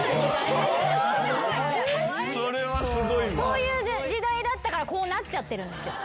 そういう時代だったからこうなっちゃってるんですよ。